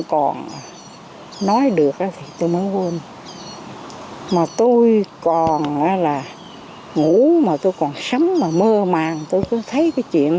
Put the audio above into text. còn nói được thì tôi mới quên mà tôi còn là ngủ mà tôi còn sấm mà mơ màng tôi có thấy cái chuyện